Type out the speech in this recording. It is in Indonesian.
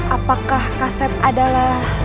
apakah kasep adalah